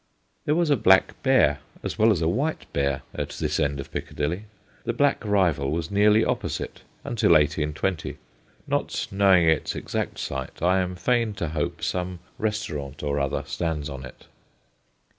There was a ' Black Bear ' as well as a ' White Bear ' at this end of Piccadilly. The black rival was nearly opposite until 1820 ; not knowing its exact site, I am fain TAVERNS 265 to hope some restaurant or other stands on it.